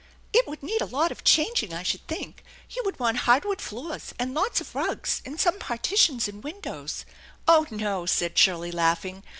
" It would need a lot of changing, I should think. You would want hardwood floors, and lots of rugs, and some partitions and windows "" Oh, no," said Shirley, laughing.